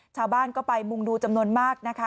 ชาวบ้านก็ไปมุงดูจำนวนมากนะคะ